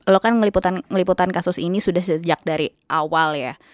lo kan meliputan kasus ini sudah sejak dari awal ya